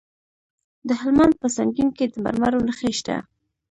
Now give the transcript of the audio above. د هلمند په سنګین کې د مرمرو نښې شته.